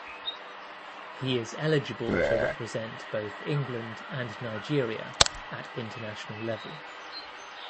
He is eligible to represent both England and Nigeria at international level.